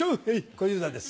小遊三です。